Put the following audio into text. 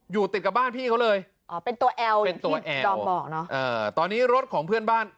อยู่ติดกับบ้านพี่เขาเลยอ๋อเป็นตัวแอลเป็นตัวแอลดอมบอกเนาะตอนนี้รถของเพื่อนบ้าน